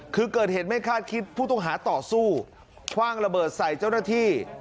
คือเกิดเหตุไม่คาดคิดผู้ต้องหาต่อสู้คว่างระเบิดใส่เจ้าหน้าที่